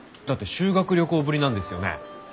だって修学旅行ぶりなんですよね？